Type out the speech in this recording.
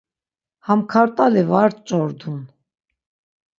Ham kart̆ali var ç̌ordun.